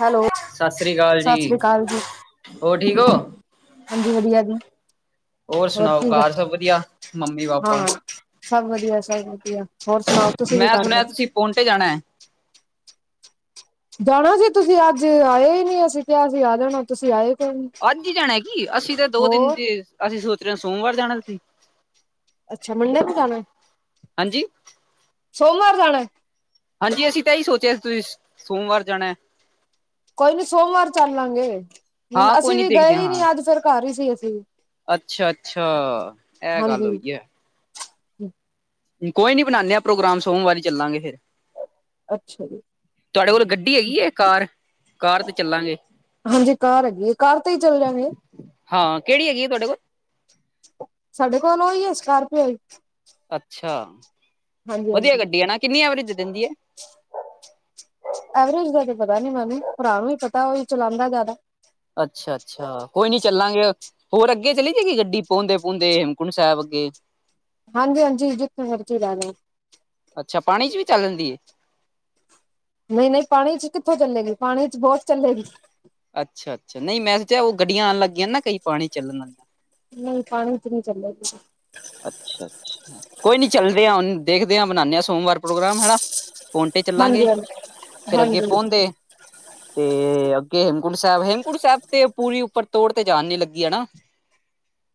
Hello, ਸਤਿ ਸ੍ਰੀ ਅਕਾਲ ਜੀ ਸਤਿ ਸ੍ਰੀ ਅਕਾਲ ਜੀ ਹੋਰ ਠੀਕ ਹੋ ਹਾਂਜੀ ਵਧੀਆ ਜੀ। ਹੋਰ ਸੁਣਾਓ ਕੀ ਕਰ ਘਰ ਸਬ ਵਧੀਆ ਮੰਮੀ-ਪਾਪਾ ਹਾਂ ਸਭ ਵਧੀਆ ਸਭ ਵਧੀਆ, ਹੋਰ ਸੁਣਾਓ? ਤੁਸੀਂ ਕੀ ਮੈਂ ਕਰ ਰਹੇ ਸੁਣਿਆ ਹੋ? ਤੁਸੀਂ ਪੋਟੇ ਜਾਣਾ? ਜਾਣਾ ਸੀ ਤੁਸੀਂ ਅੱਜ ਆਏ ਈ ਨੀ ਅਸੀਂ ਕਿਹਾ ਸੀ ਆ ਜਾਣਾ ਤੁਸੀਂ ਆਏ ਕੋਈ ਨੀ। ਅੱਜ ਈ ਜਾਣਾ ਏ ਕੀ ਅਸੀਂ ਤੇ ਦੋ ਦਿਨ ਹੋਰ ਜੇ ਅਸੀਂ ਸੋਚ ਰਹੇ ਆ ਸੋਮਵਾਰ ਜਾਣਾ ਤੁਸੀਂ ਅੱਛਾ ਮੰਡੇ ਨੂੰ ਜਾਣਾ ਹਾਂਜੀ ਸੋਮਵਾਰ ਜਾਣਾ ਹਾਂਜੀ ਅਸੀ ਤਾਂ ਇਹੀ ਸੋਚਿਆ ਸੀ ਤੁਸੀ ਸੋਮਵਾਰ ਜਾਣਾ ਕੋਈ ਨੀ ਸੋਮਵਾਰ ਚਲ ਲਾਗੇ ਹੁਣ ਹਾਂ ਕੋਈ ਅਸੀ ਨੀ ਵੀ ਗਏ ਦੇਖਦੇ ਹੀ ਨੀ ਅੱਜ ਫਿਰ ਘਰ ਹੀ ਸੀ ਅਸੀ ਅਛਾ- ਅਛਾ ਐ ਗੱਲ ਹਾਂਜੀ। ਹੋਈ ਆ। ਕੋਈ ਨੀ ਬਣਾਣੇ ਆ ਪ੍ਰੋਗਰਾਮ ਸੋਮਵਾਰੀ ਚੱਲਾਗੇ ਫੇਰ ਅਛਾ ਜੀ। ਤੁਹਾਡੇ ਕੋਲ ਗੱਡੀ ਹੈਗੀ ਆ ਕਾਰ? ਕਾਰ ਤੇ ਚੱਲਾਂਗੇ ਹਾਂਜੀ ਕਾਰ ਹੈਗੀ ਆ ਜੀ ਕਾਰ ਤੇ ਹੀ ਚਲ ਜਾਗੇ ਹਾਂ ਕਿਹੜੀ ਹੈਗੀ ਆ ਤੁਹਾਡੇ ਕੋਲ? ਸਾਡੇ ਕੋਲ ਉਹੀ ਆ। ਸਕਾਰਪੀਓ ਹੀ ਅਛਾ ਵਧੀਆ ਹਾਂਜੀ-ਹਾਂਜੀ। ਗੱਡੀ ਐ ਨਾ ਕਿੰਨੀ ਐਵਰੇਜ ਦੇ ਦਿੰਦੀ ਏ? ਐਵਰੇਜ ਦਾ ਤੇ ਪਤਾ ਨੀ ਮੈਨੂੰ ਪਰਾ ਨੂੰ ਹੀ ਪਤਾ ਓਹੀ ਚਲਾਂਦਾ ਜਾਦਾ। ਅਛਾ ਅਛਾ ਕੋਈ ਨੀ ਚਲਾਗੇ। ਹੋਰ ਅਗੇ ਚਲੀ ਜੇਗੀ ਗੱਡੀ ਪੋਂਦੇ ਪੁਨਦੇ ਹੇਮਕੁੰਟ ਸਾਹਿਬ ਅਗਗੇ? ਹਾਂਜੀ- ਹਾਂਜੀ ਜਿਤ ਨਗਰ ਚ ਹੀ ਰੇਨਾ। ਅਛਾ ਪਾਣੀ ਚ ਵੀ ਚੱਲ ਜਾਂਦੀ ਏ? ਨਈ ਨਈ ਪਾਣੀ ਚ ਕਿਥੋ ਚਲੇਗੀ ਪਾਣੀ ਚ ਬੋਤ ਚਲੇਗੀ। ਅਛਾ ਅਛਾ ਨਈ ਮੈ ਸੋਚਿਆ ਓ ਗੱਡੀਆਂ ਆਨ ਲਗੀਆ ਨਾ ਕਈ ਪਾਣੀ ਚਲਣ ਵਾਲੀ। ਨਈ ਪਾਨੀ ਚ ਨੀ ਚਲੇਗੀ। ਅਛਾ ਅਛਾ ਕੋਈ ਨੀ ਚਲਦੇ ਆ ਹੁਨ ਦੇਖਦੇ ਆ ਬਨਾਂਨੇ ਆ ਸੋਮਵਾਰ ਪ੍ਰੋਗਰਾਮ ਹਣਾ। ਪੋਨਟੇ ਚਲਾਗੇ ਹਾਂਜੀ ਹਾਂ ਫੇਰ ਅਗੇ ਹਾਂਜੀ ਪੁੰਦ ਏ। ਤੇ ਅੱਗੇ ਹੇਮਕੁੰਟ ਸਾਹਿਬ ਹੇਮਕੁੰਟ ਸਾਹਿਬ ਤੇ ਪੂਰੀ ਉਪਰ ਤੋੜ ਤੇ ਜਾਨ ਨੀ ਲਗੀ ਹਣਾ।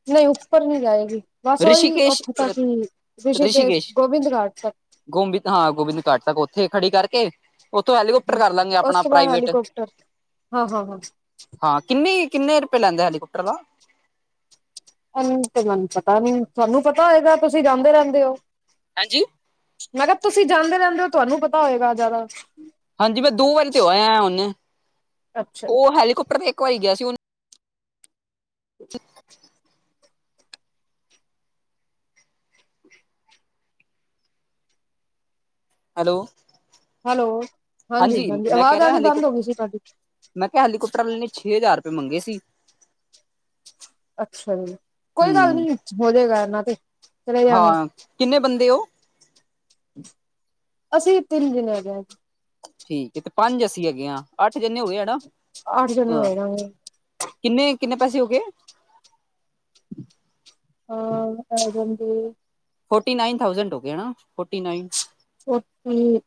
ਨਹੀ ਉਪਰ ਨੀ ਜਾਏਗੀ ਬਸ ਓਹੀ ਰਿਸ਼ੀਕੇਸ਼ ਓਥੇ ਤਕ ਹੀ ਰਿਸ਼ੀਕੇਸ਼ ਗੋਬਿੰਦ ਘਾਟ ਤਕ। ਗੋਬਿੰਤ ਹਾਂ ਗੋਬਿੰਦ ਘਾਟ ਤਕ ਓਥੇ ਖੜੀ ਕਰਕੇ ਓਥੋ ਹੈਲੀਕੋਪਟਰ ਤੱਕ ਕਰ ਲਾਂਗੇ ਉਸ ਅਪਣਾ ਤੋਂ ਬਾਅਦ ਪ੍ਰਾਈਵੇਟ। ਹੈਲੀਕੋਪਟਰ ਹਾਂ ਹਾਂ ਹਾਂ ਹਾਂ ਕਿਨੀ ਕਿਨੇ ਰੁਪੇ ਲੈਂਦਾ ਹੈਲੀਕੋਪਟਰ ਦਾ? ਐਂਜ ਤੇ ਮੇਨੂੰ ਪਤਾ ਨੀ ਤਾਨੂੰ ਪਤਾ ਹੋਏਗਾ ਤੁਸੀ ਜਾਂਦੇ ਰੇਂਦੇ ਓ। ਹਾਂਜੀ। ਮੈਂ ਕਆ ਤੁਸੀ ਜਾਂਦੇ ਰੇਂਦੇ ਓ ਤੁਆਨੂੰ ਪਤਾ ਹੋਏਗਾ ਜਾਦਾ। ਹਾਂਜੀ ਮੈ ਦੋ ਵਾਰੀ ਤੇ ਹੋ ਆਯਾ ਆ ਹੁਨੇ ਅੱਛਾ ਜੀ ਓ ਹੈਲੀਕੋਪਟਰ ਤੇ ਇਕ ਵਾਰੀ ਗਆ ਸੀ ਹੁਨ [inaudible] ਹੈਲੋ। ਹੈਲੋ ਹਾਂਜੀ ਹਾਂਜੀ ਮੈਂ ਕਹਿ ਆਵਾਜ ਰਿਹਾ ਆਨੀ ਹਾਲੀ ਬੰਦ ਹੋ ਗੀ ਸੀ ਤੁਆਡੀ। ਮੈਂ ਕਯਾ ਹੈਲੀਕਾੋਪਟਰ ਵਾਲੇ ਨੇ ਛੇ ਹਜਾਰ ਰੁਪੇ ਮੰਗੇ ਸੀ। ਅਛਾ ਜੀ ਕੋਈ ਗੱਲ ਹਮ ਨੀ ਹੋ ਜੇਗਾ ਐਨਾ ਤੇ ਚਲੇ ਜਾਗੇ। ਕਿਨੇ ਬੰਦੇ ਓ? ਅਸੀ ਤਿਨ ਜਿਨੇ ਹੈਗੇ ਆ। ਠੀਕ ਏ ਤੇ ਪੰਜ ਅਸੀ ਹੈਗੇ ਆ ਅੱਠ ਜਣੇ ਹੋ ਗੇ ਹਣਾ। ਅੱਠ ਜਨੇ ਹੋ ਜਾਨਗੇ। ਕਿਨੇ ਕਿਨੇ ਪੈਸੇ ਹੋ ਗੇ? ਹਾਂ ਆ ਜੰਗੇ। ਫੋਟੀ ਨਾਈਨ ਥਾਉਜ਼ਐਂਡ ਹੋ ਗਏ ਫੋਟੀ ਨਾਈਨ। ਫੋਟੀ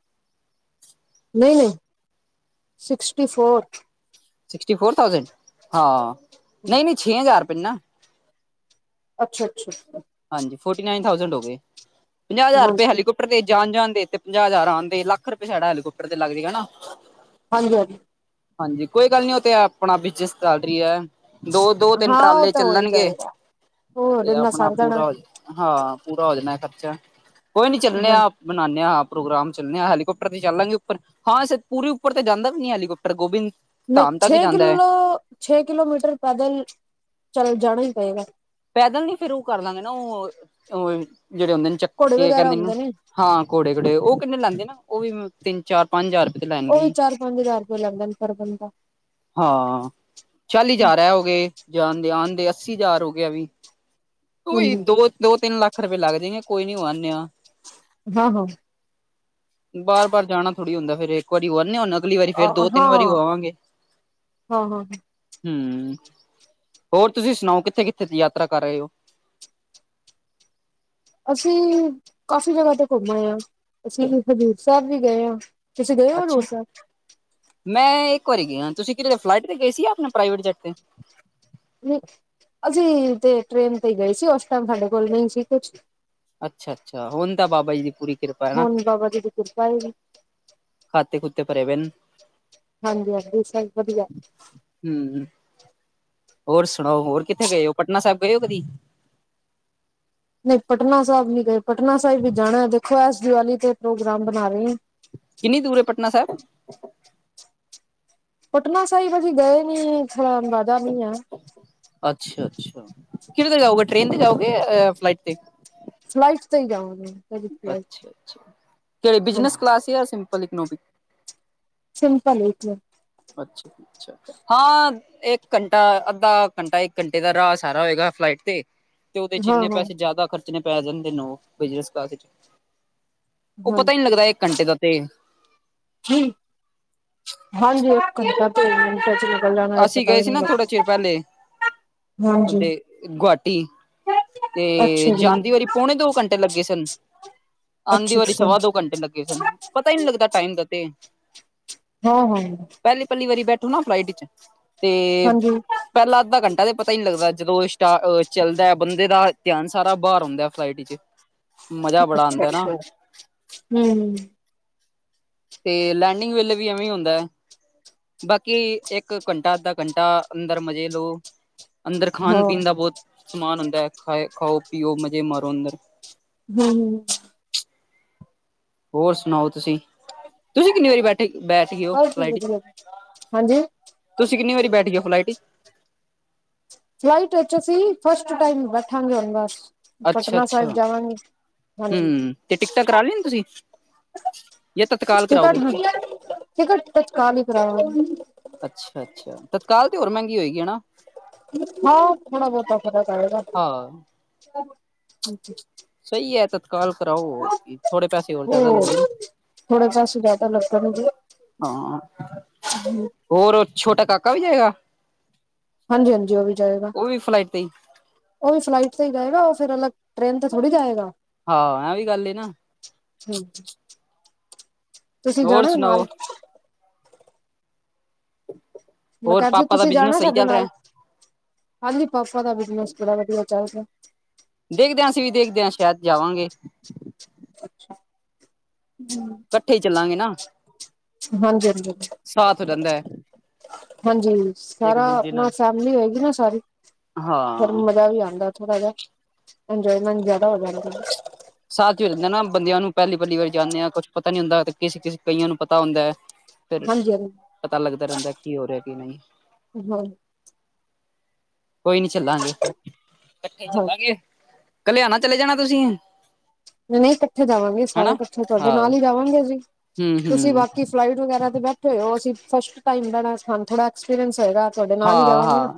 ਨਈ ਨਈ sixty four. Sixty four thousand ਹਾਂ ਨਈ ਨਈ ਛੇ ਹਜਾਰ ਰੁਪੇ ਨੇ ਨਾ। ਅਛਾ- ਅਛਾ। ਹਾਂਜੀ ਫੋਟੀ ਨਾਈਨ ਥਾਊਜੈਂਡ ਹੋ ਗੇ ਪੰਜਾ ਹਜਾਰ ਰੁਪੇ ਹਾਂਜੀ ਹੈਲੀਕੋਪ ਦੇ ਜਾਨ ਜਾਨ ਦੇ ਤੇ ਪੰਜਾ ਹਜਾਰ ਆਨਦੇ ਲੱਖ ਰੁਪੇ ਸਾਡਾ ਹੈਲੀਕੋਪਟਰ ਤੇ ਲੱਗ ਜੇਗਾ ਹੈਨਾ। ਪੰਜ। ਹਾਂਜੀ ਕੋਈ ਗੱਲ ਨੀ ਓ ਤੇ ਆਪਣਾ ਬਿਜਨਸ ਸਟਾਟਰੀ ਐ। ਦੋ ਦੋ ਤਿੰਨ ਹਾਂ ਉਹ ਟ੍ਰਰਾਲੇ ਤਾਂ ਹੋ ਹੀ ਚਲਨਗੇ ਜਾਏਗਾ ਹੋਰ ਤੇ ਇੰਨਾ ਅਪਨਾ ਸਰ ਜਾਣਾ ਹਾਂ ਪੂਰਾ ਹੋ ਜਨਾ ਖਰਚਾ ਕੋਈ ਨੀ ਚੱਲਨੇ ਹਾਂਜੀ ਆ ਬਨਾਨੇ ਆ ਪ੍ਰੋਗਰਾਮ ਚੱਲਨੇ ਆ ਹੈਲੀਕੋਪਟਰ ਤੇ ਚੱਲਾਂਗੇ ਉੱਪਰ। ਹਾਂ ਸ ਪੂਰੇ ਉਪਰ ਤੇ ਜਾਂਦਾ ਵੀ ਨੀ ਹੈਲੀਕੋਪਟਰ ਗੋਬਿੰਦ ਨਈ ਧਾਮ ਤੱਕ ਹੀ ਛੇ ਜਾਂਦਾ ਐ। ਕਿਲੋ ਛੇ ਕਿਲੋਮੀਟਰ ਪੈਦਲ ਚੱਲ ਜਾਣਾ ਈ ਪਏਗਾ। ਪੈਦਲ ਨੀ ਫੇਰ ਓ ਕਰ ਲਾਂਗੇ ਨਾ ਓ ਜੇੜੇ ਹੁੰਦੇ ਨੇ ਚ ਘੋੜੇ ਕਿ ਵਗੈਰਾ ਕੈਂਦੇ ਨੇ ਹੁੰਦੇ ਓਨੂੰ ਹਾਂ ਘੋੜੇ -ਘਾੜੇ ਉਹ ਕਿੰਨੇ ਲੈਂਦੇ ਨਾ ਉਹ ਵੀ ਤਿੰਨ- ਚਾਰ, ਪੰਜ ਹਜ਼ਾਰ। ਤੇ ਉਹ ਵੀ ਲੈਣਗੇ ਚਾਰ, ਪੰਜ ਹਜ਼ਾਰ ਰੁਪਏ ਲੈਂਦਾ ਪਰ ਬੰਦਾ ਹਾਂ ਚਾਲੀ ਹਜ਼ਾਰ ਐ ਹੋ ਗਏ, ਜਾਣਦੇ ਆਣਦੇ ਅੱਸੀ ਹਜ਼ਾਰ ਹੋ ਗਏ ਐ ਵੀ। ਕੋਈ ਹਾਂਜੀ ਦੋ, ਦੋ- ਤਿੰਨ ਲੱਖ ਰੁਪਏ ਲੱਗ ਜਾਏਗੇ ਕੋਈ ਨੀ ਹੋ ਆਨੇ ਆ। ਹਾਂ ਹਾਂ ਬਾਰ -ਬਾਰ ਜਾਣਾ ਥੋੜੀ ਹੁੰਦਾ, ਫਿਰ ਇੱਕ ਵਾਰੀ ਹੋ ਆਨੇ ਆ ਹੁਣ ਅਗਲੀ ਵਾਰੀ ਫੇਰ ਦੋ- ਤਿੰਨ ਹਾਂ ਵਾਰੀ ਹੋ ਆਵਾਂਗੇ। ਹਾਂ ਹਾਂ ਹੂੰ ਹੋਰ ਤੁਸੀਂ ਸੁਣਾਓ ਕਿੱਥੇ -ਕਿੱਥੇ ਦੀ ਯਾਤਰਾ ਕਰ ਆਏ ਔ। ਅਸੀਂ ਕਾਫ਼ੀ ਜਗ੍ਹਾ ਤੇ ਘੁੰਮ ਆਏ ਆ, ਅਸੀਂ ਹਜ਼ੂਰ ਸਾਹਿਬ ਵੀ ਗਏ ਆ। ਤੁਸੀਂ ਗਏ ਔ ਹਜੂਰ ਅੱਛਾ ਸਾਬ ਮੈਂ ਇੱਕ ਵਾਰੀ ਗਈ ਆ ਤੁਸੀਂ ਕਿਦੇ ਤੇ ਫਲਾਈਟ ਤੇ ਗਏ ਸੀ ਜਾ ਆਪਣੇ ਪ੍ਰਾਈਵੇਟ ਜੈਟ ਤੇ। ਨਈ ਅਸੀਂ ਤੇ ਟ੍ਰੇਨ ਤੇ ਗਈ ਸੀ। ਉਸ ਟਾਈਮ ਸਾਡੇ ਕੋਲ ਨਹੀਂ ਸੀ ਕੁਛ ਅੱਛਾ- ਅੱਛਾ ਹੁਣ ਤਾਂ ਬਾਬਾ ਜੀ ਦੀ ਪੂਰੀ ਕਿਰਪਾ ਹੈ ਨਾ ਹੁਣ ਬਾਬਾ ਜੀ ਦੀ ਕਿਰਪਾ ਹੈ ਜੀ। ਖਾਤੇ -ਖੂਤੇ ਭਰੇ ਪਏ ਨ ਹਾਂਜੀ- ਹਾਂਜੀ ਸਹੀ ਵਧੀਆ ਹੂੰ ਹੋਰ ਸੁਣਾਓ ਹੋਰ ਕਿੱਥੇ ਗਏ ਔ ਪਟਨਾ ਸਾਹਿਬ ਗਏ ਓ ਕਦੀ। ਨਈ ਪਟਨਾ ਸਾਹਿਬ ਨੀ ਗਏ ਪਟਨਾ ਸਾਹਿਬ ਵੀ ਜਾਣਾ ਦੇਖੋ ਇਸ ਦੀਵਾਲੀ ਤੇ ਪ੍ਰੋਗਰਾਮ ਬਣਾ ਰਹੇ ਆ। ਕਿੰਨੀ ਦੂਰ ਐ ਪਟਨਾ ਸਾਹਿਬ। ਪਟਨਾ ਸਾਹਿਬ ਅਸੀਂ ਗਏ ਨੀ ਥੋੜਾ ਅੰਦਾਜ਼ਾ ਵੀ ਨੀ ਐ ਅੱਛਾ- ਅੱਛਾ ਕਿਦੇ ਤੇ ਜਾਊਗੇ ਟ੍ਰੇਨ ਤੇ ਜਾਓਗੇ ਅ ਫਲਾਈਟ ਤੇ ਫਲਾਈਟ ਤੇ ਈ ਜਾਵਾਗੇ। ਅੱਛਾ -ਅੱਛਾ ਤੇ ਹਾਂਜੀ ਬਿਜਨਸ ਕਲਾਸ ਯਾ ਸਿੰਪਲ ਇਕਨੋਮਿਕ ਸਿੰਪਲ ਇਚ ਅੱਛਾ ਜੀ ਅੱਛਾ ਹਾਂ ਇੱਕ ਘੰਟਾ, ਅੱਧਾ ਘੰਟਾ, ਇੱਕ ਘੰਟੇ ਦਾ ਰਾਹ ਸਾਰਾ ਹੋਏਗਾ ਫਲਾਈਟ ਤੇ ਤੇ ਉਹਦੇ ਚ ਹਾਂ ਇੰਨੇ ਹਾਂ ਪੈਸੇ ਜ਼ਿਆਦਾ ਖਰਚਣੇ ਪੈ ਜਾਂਦੇ ਨੋ ਉਹ ਬਿਜਨਸ ਕਲਾਸ ਚ ਉਹ ਪਤਾ ਹੀ ਨਹੀਂ ਹਾਂਜੀ ਲੱਗਦਾ ਇੱਕ ਘੰਟੇ ਦਾ ਤੇ ਹੂ ਹਾਂਜੀ, ਇੱਕ ਘੰਟਾ ਤੇ ਮਿੰਟਾਂ ਚ ਨਿਕਲ ਜਾਣਾ ਹੈ ਅਸੀਂ ਪਤਾ ਗਏ ਵੀ ਸੀ ਨਹੀਂ ਨਾ, ਥੋੜਾ ਚਿਰ ਲੱਗਦਾ ਪਹਿਲੇ ਹਾਂਜੀ ਤੇ ਗੁਆਟੀ ਤੇ ਅੱਛਾ ਜੀ ਜਾਂਦੀ ਵਾਰੀ ਪੌਣੇ ਦੋ ਘੰਟੇ ਲੱਗੇ ਸਨ, ਆਂਦੀ ਅੱਛਾ ਵਾਰੀ ਅੱਛਾ ਸਵਾ ਦੋ ਘੰਟੇ ਲੱਗੇ ਸਨ। ਪਤਾ ਈ ਨੀ ਲੱਗਦਾ ਟਾਈਮ ਦਾ ਤੇ ਹਾਂ ਹਾਂ ਪਹਿਲੀ -ਪਹਿਲੀ ਵਾਰੀ ਬੈਠੋ ਨਾ ਫਲਾਈਟ ਇਚ ਤੇ ਹਾਂਜੀ ਪਹਿਲਾਂ ਅੱਧਾ ਘੰਟਾ ਤਾਂ ਪਤਾ ਈ ਨਹੀਂ ਲੱਗਦਾ ਜਦੋਂ ਸਟਾਰਟ ਚੱਲਦਾ ਬੰਦੇ ਦਾ ਧਿਆਨ ਸਾਰਾ ਬਾਹਰ ਹੁੰਦਾ ਫਲਾਈਟ ਇਚ ਮਜਾ ਬੜਾ ਆਉਂਦਾ ਨਾ ਹੂ ਤੇ ਲੈਂਡਿੰਗ ਵੇਲੇ ਵੀ ਐਵੇਂ ਈ ਹੁੰਦਾ ਏ ਬਾਕੀ ਇੱਕ ਘੰਟਾ, ਅੱਧਾ ਘੰਟਾ ਅੰਦਰ ਮਜ਼ੇ ਲਓ ਅੰਦਰ ਖਾਣ ਹਾਂ ਪੀਣ ਦਾ ਬਹੁਤ ਸਮਾਨ ਹੁੰਦਾ, ਖਾ ਖਾਓ ਪੀਓ ਮਜ਼ੇ ਮਾਰੋ ਅੰਦਰ। ਹੂੰ ਹੋਰ ਸੁਣਾਓ ਤੁਸੀਂ ਤੁਸੀਂ ਕਿੰਨੀ ਵਾਰੀ ਬੈਠੇ ਬੈਠ ਗਏ ਔ ਬਹੁਤ ਹੀ ਫਲਾਈਟ ਚ ਵਧੀਆ ਹਾਂਜੀ ਤੁਸੀਂ ਕਿੰਨੀ ਵਾਰੀ ਬੈਠ ਗਏ ਹੋ ਫਲਾਈਟ ਚ ਫਲਾਈਟ ਵਿੱਚ ਅਸੀਂ, ਫਸਟ ਟਾਈਮ ਬੈਠਾਂਗੇ ਹੁਣ ਬਸ। ਪਟਨਾ ਸਾਹਿਬ ਅੱਛਾ-ਅੱਛਾ, ਜਾਵਾਂਗੇ ਹਾਂਜੀ ਹੂੰ, ਤੇ ਟਿਕਟਾਂ ਕਰਾ ਲੀਆਂ ਨੇ ਤੁਸੀਂ? ਯਾ ਤਤਕਾਲ ਟਿਕਟ ਕਰਾਓਗੇ? ਟਿਕਟ, ਤਤਕਾਲ ਈ ਕਰਾਂਵਾ ਅੱਛਾ-ਅੱਛਾ, ਤਤਕਾਲ ਤੇ ਹੋਰ ਮਹਿੰਗੀ ਹੋਏਗੀ ਹਨਾ? ਹਾਂ, ਥੋੜਾ-ਬਹੋਤਾ ਫਰਕ ਆਏਗਾ। ਹਾ [inaudible] ਸਹੀ ਐ। ਤਤਕਾਲ ਕਰਾਓ ਹੋਰ ਕੀ, ਥੋੜੇ ਪੈਸੇ ਹੋਰ ਜ਼ਿਆਦਾ ਉਹ ਲੱਗਦੇ ਨੇ। ਥੋੜੇ ਪੈਸੇ ਜ਼ਿਆਦਾ ਲੱਗਣਗੇ ਹਾਂ, ਹੋਰ, ਛੋਟਾ ਕਾਕਾ ਵੀ ਜਾਏਗਾ? ਹਾਂਜੀ-ਹਾਂਜੀ, ਉਹ ਵੀ ਜਾਏਗਾ। ਉਹ ਵੀ ਫਲਾਈਟ ਤੇ ਹੀ ਉਹ ਵੀ ਫਲਾਈਟ ਤੇ ਈ ਜਾਏਗਾ, ਉਹ ਫਿਰ ਅਲੱਗ ਟ੍ਰੇਨ ਤੇ ਥੋੜ੍ਹੀ ਜਾਏਗਾ। ਹਾਂ, ਐਵੀ ਗੱਲ ਏ ਨਾ। ਅੱ, ਤੁਸੀਂ ਹੋਰ ਜਾਣਾ ਸੁਣਾਓ ਨਾਲ? ਮੈਂ ਹੋਰ ਕਿਆ ਆਜੋ ਪਾਪਾ ਦਾ ਤੁਸੀਂ ਜਾਣਾ ਬਿਜਨਸ ਸਹੀ ਸਾਡੇ ਚੱਲ ਨਾਲ, ਰਿਹਾ ਹਾਂਜੀ, ਪਾਪਾ ਦਾ ਬਿਜ਼ਨਸ ਬੜਾ ਵਧੀਆ ਚੱਲ ਰਿਹਾ। ਦੇਖਦੇ ਆ ਅਸੀਂ ਵੀ ਦੇਖਦੇ ਆ, ਸ਼ਾਇਦ ਜਾਵਾਂਗੇ। ਅੱਛਾ, ਹੂੰ। ਕੱਠੇ ਈ ਚੱਲਾਂਗੇ ਨਾ। ਹਾਂਜੀ-ਹਾਂਜੀ, ਹਾਂਜੀ। ਸਾਥ ਹੋ ਜਾਂਦਾ ਹੈ ਹਾਂਜੀ, ਇੱਕ ਸਾਰਾ ਦੂਜੇ ਅਪਨਾ, ਨਾਲ ਫੈਮਲੀ ਹੋਏਗੀ ਨਾ ਸਾਰੀ ਫਿਰ ਹਾਂ ਮਜ਼ਾ ਵੀ ਆਂਦਾ ਥੋੜਾ ਜਹਾ, ਇੰਜੋਏਮੈਂਟ ਜ਼ਿਆਦਾ ਹੋ ਜਾਂਦੀ ਏ। ਸਾਥ ਝਿੜਕਦੇ ਨਾ ਬੰਦਿਆਂ ਨੂੰ, ਪਹਿਲੀ-ਪਹਿਲੀ ਵਾਰੀ ਜਾਂਨੇ ਆ, ਕੁਛ ਪਤਾ ਨੀ ਹੁੰਦਾ ਕਿਸੇ-ਕਿਸੇ ਕਈਆਂ ਨੂੰ ਪਤਾ ਹੁੰਦੈ। ਫਿਰ, ਹਾਂਜੀ ਹਾਂਜੀ ਪਤਾ ਲੱਗਦਾ ਰਹਿੰਦਾ ਕੀ ਹੋ ਰਿਹਾ, ਕੀ ਨਹੀਂ। ਹੋਰ? ਕੋਈ ਨੀ ਚੱਲਾਂਗੇ, ਇਕੱਠੇ ਹਾਂ ਚੱਲਾਂਗੇ ਕਲਿਆ ਨਾ ਚਲੇ ਜਾਣਾ ਤੁਸੀ। ਨਹੀਂ ਇਕੱਠੇ ਜਾਵਾਂਗੇ, ਸਾਰੇ ਇਕੱਠੇ ਤੁਵਾਡੇ ਹਾਂ ਨਾਲ ਈ ਜਾਵਾਂਗੇ ਜੀ, ਹਮ ਤੁਸੀਂ ਹਮ ਬਾਕੀ ਫਲਾਈਟ ਵਗੈਰਾ ਤੇ ਬੈਠੇ ਹੋਏ ਓ, ਅਸੀਂ ਫਸਟ ਟਾਈਮ ਬੈਣਾ, ਸਾਨੂੰ ਥੋੜ੍ਹਾ ਐਕਸਪੀਰੀਅਂਸ ਹੋਏਗਾ, ਤੁਹਾਡੇ ਨਾਲ ਈ ਹਾਂ ਜਾਵਾਂਗੇ ਨਾ। ਹਾਂ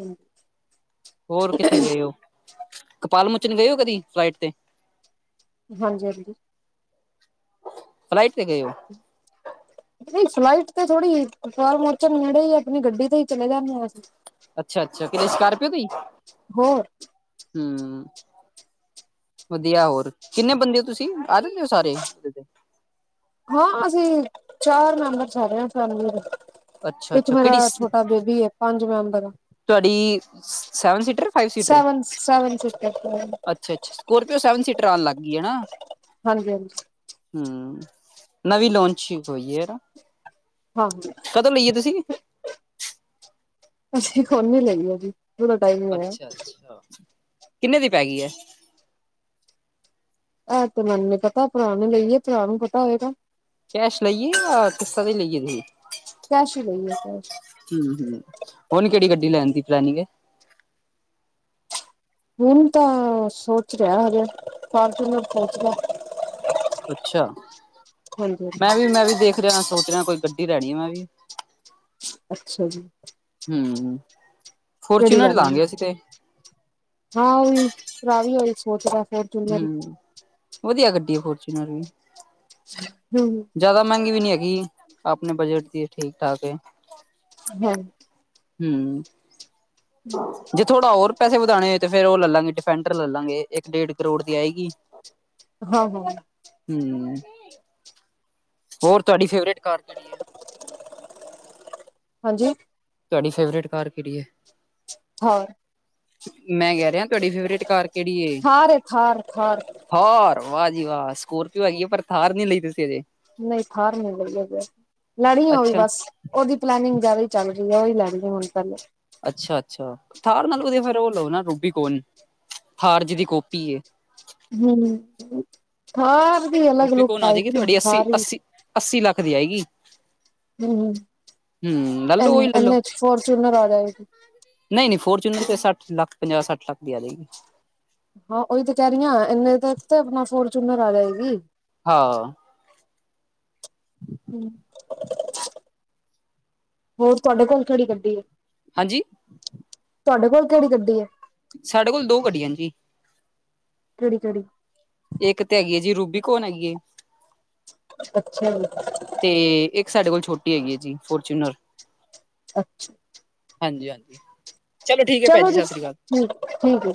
ਹੰ ਹੋਰ ਕਿੱਥੇ ਗਏ ਓ, ਕਪਾਲਮੋਚਨ ਗਏ ਓ, ਕਦੀ ਫਲਾਈਟ ਤੇ? ਹਾਂਜੀ-ਹਾਂਜੀ। ਫਲਾਈਟ ਤੇ ਗਏ ਓ? [inaudible] ਨਹੀਂ ਫਲਾਈਟ ਤੇ ਥੋੜ੍ਹੀ, ਕਪਾਲਮੋਰਨ ਨੇੜੇ ਈ ਐ, ਆਪਣੀ ਗੱਡੀ ਤੇ ਈ ਚਲੇ ਜਾਂਨੇੇ ਆ ਅਸੀ। ਅੱਛਾ-ਅੱਛਾ, ਕਿਤੇ ਸਕਾਰਪੀਓ ਤੇ ਈ? ਹੋਰ ਹੂੰ, ਵਧੀਆ ਹੋਰ, ਕਿੰਨੇ ਬੰਦੇ ਓ ਤੁਸੀਂ, ਆ ਜਾਂਦੇ ਓ ਸਾਰੇ? [inaudible] ਹਾਂ ਅਸੀਂ, ਚਾਰ ਮੈਂਬਰ ਸਾਰੇ ਆ ਫੈਮਲੀ ਅੱਛਾ ਦੇ। ਇੱਕ ਅੱਛਾ ਕਿਹੜੀ ਮੇਰਾ ਛੋਟਾ ਬੇਬੀ ਏ, ਪੰਜ ਮੈਂਬਰ ਆ। ਤੁਵਾਡੀ, ਸੈਵਨ ਸੀਟਰ, ਫਾਈਵ ਸੀ ਸੈਵਨ, ਸੈਵਨ ਸੀਟਰ ਹਾਂਜੀ ਅੱਛਾ-ਅੱਛਾ, ਸਕੋਰਪੀਓ ਸੈਵਨ ਸੀਟਰ ਆਣ ਲੱਗ ਗਈ ਏ ਨਾ। ਹਾਂਜੀ ਹੂੰ, ਨਵੀਂ ਲੌਂਚੀਗ ਹੋਈਏ ਨਾ? ਹਾਂ, ਕਦੋਂ ਲਈਏ ਤੁਸੀਂ ਅਸੀ ਕੋਂਦ ਦੀ ਲਈ ਆ ਜੀ। ਥੋੜਾ ਟਾਈਮ ਹੀ ਹੋਇਆ। ਅੱਛਾ, ਅੱਛਾ ਕਿੰਨੇ ਦੀ ਪੈ ਗਈ ਐ ਇਹ ਤੇ ਮੈਨੂੰ ਨੀ ਪਤਾ ਭਰਾ ਨੇ ਲਈ ਭਰਾ ਨੂੰ ਪਤਾ ਹੋਏਗਾ ਕੈਸ਼ ਲਈ ਜਾਂ ਕਿਸ਼ਤਾਂ ਤੇ ਲਈਏ ਤੁਸੀਂ ਕੈਸ਼ ਹੀ ਲਈਏ ਕੈਸ਼ ਹੂੰ, ਹੂੰ ਹੁਣ ਕਿਹੜੀ ਗੱਡੀ ਲੈਣ ਦੀ ਪਲੈਨਿੰਗ ਐ ਹੁਣ ਤਾਂ ਸੋਚ ਰਹੇ ਹਜੇ ਫਾਰਚੂਨਰ ਸੋਚ ਰਹੇ ਅੱਛਾ ਹਾਂਜੀ ਹਾਂਜੀ। ਮੈਂ ਵੀ ਮੈਂ ਵੀ ਦੇਖ ਰਿਹਾ ਸੋਚ ਰਿਹਾ ਕੋਈ ਗੱਡੀ ਲੈਣੀ ਮੈਂ ਵੀ ਅੱਛਾ ਜੀ ਹਮ ਕਿਹੜੀ ਫੋਰਚੂਨਰ ਲੈਣੀ ਲਾਂਗੇ ਅਸੀਂ ਆ ਤੇ ਹਾਂ ਇਹੀ ਭਰਾ ਵੀ ਉਹੀ ਸੋਚਦਾ ਫੋਰਚੂਨਰ ਹਮ ਵਧੀਆ ਗੱਡੀ ਫੋਰਚੂਨਰ ਵੀ ਹਮ ਜ਼ਿਆਦਾ ਮਹਿੰਗੀ ਵੀ ਨਹੀਂ ਹੈਗੀ ਆਪਣੇ ਬਜਟ ਦੀ ਹੈ ਠੀਕ -ਠਾਕ ਹੈ ਹੈਲਥ ਹਮ ਹਮ ਜੇ ਥੋੜਾ ਹੋਰ ਪੈਸੇ ਵਧਾਣੇ ਹੋਏ ਤੇ ਫੇਰ ਉਹ ਲੈ ਲਾਂਗੇ ਡਿਫੈਂਡਰ ਲੈ ਲਾਂਗੇ ਇੱਕ ਡੇਢ ਕਰੋੜ ਦੀ ਆਏਗੀ ਹਾਹੋ ਹਮ, ਹੋਰ ਤੁਹਾਡੀ ਫੇਵਰੇਟ ਕਾਰ ਕਿਹੜੀ ਐ [inaudible] ਹਾਂਜੀ ਤੁਹਾਡੀ ਫੇਵਰੇਟ ਕਾਰ ਕਿਹੜੀ ਐ ਥਾਰ ਮੈਂ ਕਹਿ ਰਿਹਾ ਤੁਹਾਡੀ ਫੇਵਰੇਟ ਕਾਰ ਕਿਹੜੀ ਏ ਥਾਰ ਏ ਥਾਰ ਥਾਰ ਥਾਰ, ਵਾਹ ਜੀ ਵਾਹ ਸਕੋਰਪੀਓ ਹੈਗੀ ਏ ਪਰ ਥਾਰ ਨਹੀਂ ਲਈ ਤੁਸੀਂ ਅਜੇ ਨਹੀਂ ਥਾਰ ਨਹੀਂ ਲਈ ਹਜੇ ਲੈਣੀ ਉਹ ਵੀ ਅੱਛਾ, ਬਸ ਉਹਦੀ ਪਲੈਨਿੰਗ ਜ਼ਿਆਦਾ ਹੀ ਚੱਲ ਰਹੀ ਹੈ ਉਹੀ ਲੈਣੀ ਹੁਣ ਪਹਿਲੇ ਅੱਛਾ -ਅੱਛਾ ਥਾਰ ਨਾਲੋ ਵਧੀਆ ਫੇਰ ਉਹ ਲਓ ਨਾ ਰੂਬੀਕੋਣ ਥਾਰ ਜਿਹਦੀ ਕੋਪੀ ਏ ਹਮ ਥਾਰ ਦੀ ਅਲੱਗ ਲੁੱਕ ਰੂਬੀਕੋਨ ਆ ਜਾਏਗੀ ਆਏਗੀ ਨਾ ਤੁਹਾਡੀ ਅੱਸੀ, ਥਾਰ ਦੀ ਅੱਸੀ ਅੱਸੀ ਲੱਖ ਦੀ ਆਏਗੀ ਹਮ -ਹਮ ਹੂੰ ਲੈ ਲਓ ਐਨੇ, ਉਹੀ ਲੈ ਐਨੇ 'ਚ ਫੋਰਚੂਨਰ ਆ ਜਾਏਗੀ ਨਹੀਂ- ਨਹੀਂ ਫੋਰਚੂਨਰ ਸੱਠ ਲੱਖ ਪੰਜਾਹ ਸੱਠ ਲੱਖ ਦੀ ਆਜੇਗੀ ਹਾਂ ਉਹੀ ਤੇ ਕਹਿ ਰਹੀਆਂ ਇੰਨੇ ਤੇ ਆਪਣਾ ਫੋਰਚੂਨਰ ਆ ਜਾਏਗੀ ਹਾਂ [inaudible] ਹਮ ਹੋਰ ਤੁਹਾਡੇ ਕੋਲ ਕਿਹੜੀ ਗੱਡੀ ਹੈ ਹਾਂਜੀ ਤੁਹਾਡੇ ਕੋਲ ਕਿਹੜੀ ਗੱਡੀ ਐ ਸਾਡੇ ਕੋਲ ਦੋ ਗੱਡੀਆਂ ਜੀ ਕਿਹੜੀ ਕਿਹੜੀ ਇੱਕ ਤੇ ਹੈਗੀ ਹੈ ਜੀ ਰੂਬੀਕੌਣ ਹੈਗੀ ਏ ਅੱਛਾ ਜੀ ਤੇ ਇੱਕ ਸਾਡੇ ਕੋਲ ਛੋਟੀ ਹੈਗੀ ਜੀ ਫੋਰਚੂਨਰ ਅੱਛਾ- ਅੱਛਾ ਹਾਂਜੀ ਹਾਂਜੀ ਠੀਕ ਹੈ ਭੈਣ ਚਲੋ ਜੀ ਸਤਿ ਸ੍ਰੀ ਅਕਾਲ ਠੀਕ ਠੀਕ ਏ।